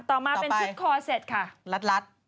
ถ่อมาเป็นชุดคอร์เซ็ตค่ะลัด